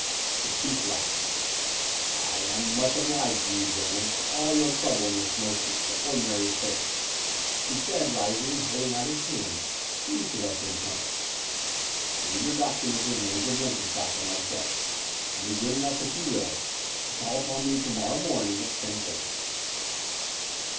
The Chief laughed. "I am much obliged to you, gentlemen, for all your trouble in this most extraordinary affair," he said, rising and holding out his hand to each of us in turn. "Leave your documents with Major Blenkinsopp and myself; and be good enough, if you will, to call upon me to morrow morning at ten thirty."